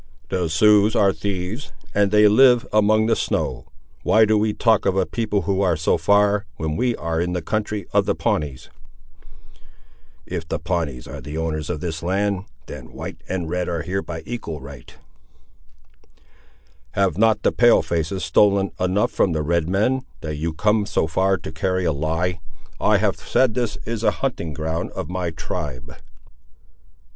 "The Siouxes are thieves, and they live among the snow; why do we talk of a people who are so far, when we are in the country of the Pawnees?" "If the Pawnees are the owners of this land, then white and red are here by equal right." "Have not the pale faces stolen enough from the red men, that you come so far to carry a lie? I have said that this is a hunting ground of my tribe."